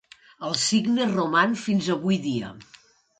El Cigne roman fins avui dia.